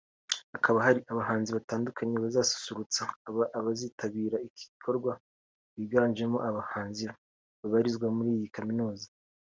hakaba hari abahanzi batandukanye bazasusurutsa abazitabiri iki gikorwa biganjemo abahanzi babarizwa muri iyi kaminuza